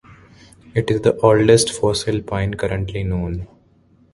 It is the oldest fossil pine currently known.